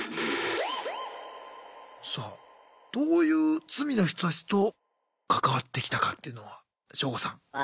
さあどういう罪の人たちと関わってきたかっていうのはショウゴさん。